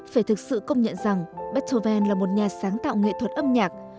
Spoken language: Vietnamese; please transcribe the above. phải thực sự công nhận rằng beethoven là một nhà sáng tạo nghệ thuật âm nhạc